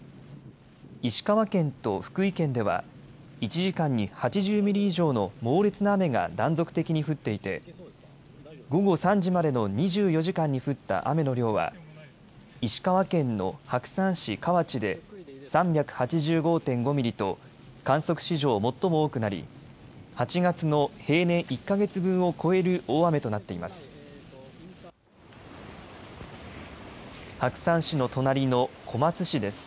石川県と福井県では１時間に８０ミリ以上の猛烈な雨が断続的に降っていて午後３時までの２４時間に降った雨の量は石川県の白山市河内で３８５．５ミリと観測史上最も多くなり８月の平年１か月分を超える大雨となっています。